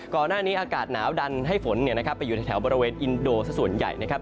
ก่อนหน้านี้อากาศหนาวดันให้ฝนไปอยู่แถวบริเวณอินโดส่วนใหญ่นะครับ